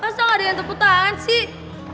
kenapa gak ada yang tepuk tangan sih